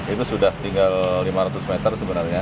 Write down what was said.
itu sudah tinggal lima ratus meter sebenarnya